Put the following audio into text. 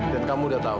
dan kamu udah tahu